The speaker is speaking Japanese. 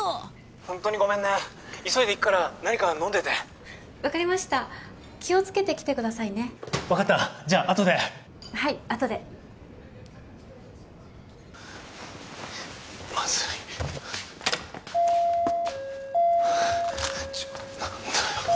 ☎ホントにごめんね急いで行くから何か飲んでて分かりました気をつけて来てくださいね分かったじゃああとではいあとでまずいちょっ何だよ